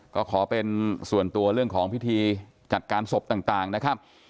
ก็ขอเป็นส่วนตัวเรื่องของพิธีจัดการศพต่างนะครับ